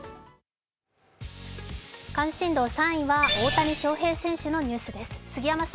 関心度３位は大谷翔平選手のニュースです。